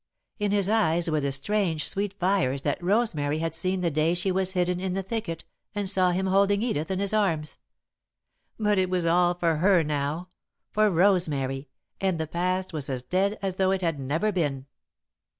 In his eyes were the strange, sweet fires that Rosemary had seen the day she was hidden in the thicket and saw him holding Edith in his arms. But it was all for her now, for Rosemary, and the past was as dead as though it had never been.